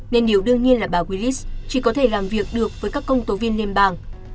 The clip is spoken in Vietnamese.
nên điều đương nhiên là bà willis chỉ có thể làm việc được với các công tố viên liên bang